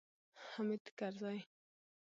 حامد کرزی